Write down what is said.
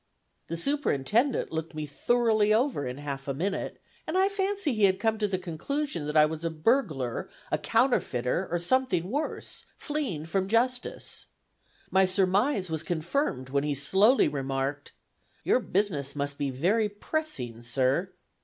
The superintendent looked me thoroughly over in half a minute, and I fancied he had come to the conclusion that I was a burglar, a counterfeiter, or something worse, fleeing from justice. My surmise was confirmed, when he slowly remarked: "Your business must be very pressing, sir."